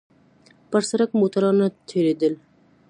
پر سړک موټران نه تېرېدل.